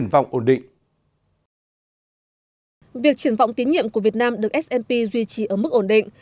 việc triển vọng tín nhiệm của việt nam được s p duy trì ở mức ổn định